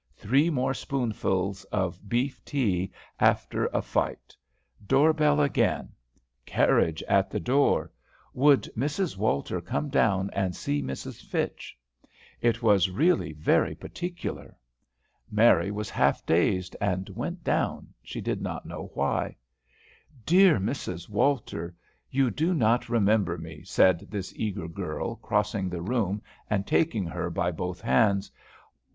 Three more spoonfuls of beef tea after a fight. Door bell again. Carriage at the door. "Would Mrs. Walter come down and see Mrs. Fitch? It was really very particular." Mary was half dazed, and went down, she did not know why. "Dear Mrs. Walter, you do not remember me," said this eager girl, crossing the room and taking her by both hands.